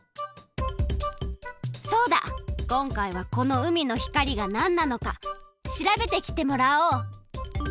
そうだこんかいはこの海の光がなんなのか調べてきてもらおう！